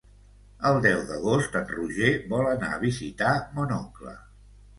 El deu d'agost en Roger vol anar a visitar mon oncle.